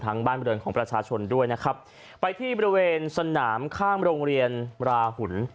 บ้านบริเวณของประชาชนด้วยนะครับไปที่บริเวณสนามข้างโรงเรียนราหุ่น